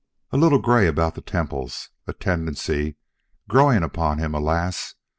A little gray about the temples, a tendency growing upon him, alas!